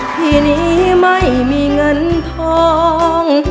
ที่นี้ไม่มีเงินทอง